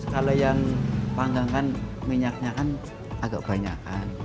kalau yang dipanggang kan minyaknya kan agak banyak kan